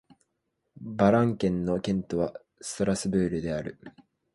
バ＝ラン県の県都はストラスブールである